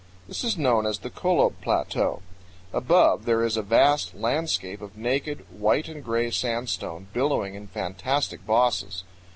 This is known as the Colob Plateau. Above, there is a vast landscape of naked, white and gray sandstone, billowing in fantastic bosses.